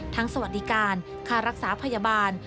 ทั้งสวัสดิการคารักษาพยาบาล